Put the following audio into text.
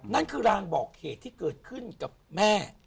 นั่นคือรางบอกเหตุที่เกิดขึ้นกับแม่